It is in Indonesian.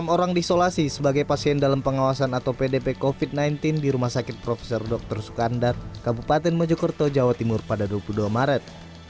enam orang disolasi sebagai pasien dalam pengawasan atau pdp covid sembilan belas di rumah sakit prof dr sukandar kabupaten mojokerto jawa timur pada dua puluh dua maret